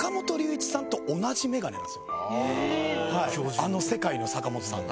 あの世界の坂本さんと。